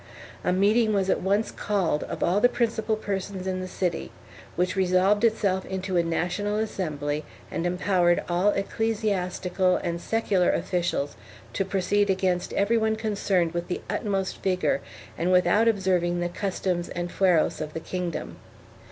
A meeting was at once called of all the principal persons in the city, which resolved itself into a national assembly and empowered all ecclesiastical and secular officials to proceed against every one concerned with the utmost vigor and without observing the customs and fueros of the kingdom.